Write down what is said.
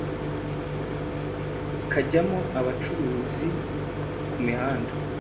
kajyamo abacururiza ku mihanda